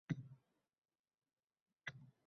“Qaydam. Shunchaki kiygan ko’rinaman. O’zingiz-chi?”